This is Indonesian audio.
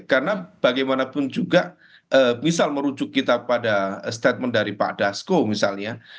karena bagaimanapun juga misal merujuk kita pada statement dari pak dasko misalnya